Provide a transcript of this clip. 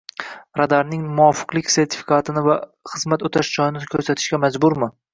radarning muvofiqlik sertifikatini va xizmat o‘tash joyini ko‘rsatishga majburmi?